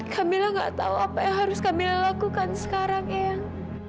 kamila enggak tahu apa yang harus kamila lakukan sekarang eang